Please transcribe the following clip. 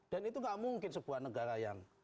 dan itu gak mungkin sebuah negara yang